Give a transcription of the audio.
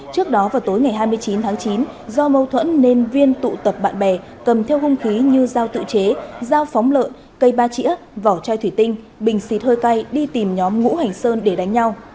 trước đó vào tối ngày hai mươi chín tháng chín do mâu thuẫn nên viên tụ tập bạn bè cầm theo hung khí như giao tự chế dao phóng lợn cây ba trĩa vỏ chai thủy tinh bình xịt hơi cay đi tìm nhóm ngũ hành sơn để đánh nhau